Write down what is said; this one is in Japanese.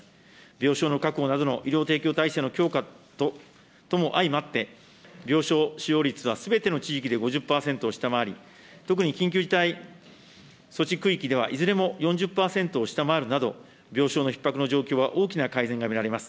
病床の確保などの医療提供体制の強化とも相まって、病床使用率はすべての地域で５０％を下回り、特に緊急事態措置区域ではいずれも４０％を下回るなど、病床のひっ迫の状況は大きな改善が見られます。